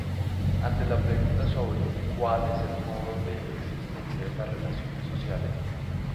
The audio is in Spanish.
Ante la pregunta sobre "¿Cuál es el modo de existencia de las relaciones sociales?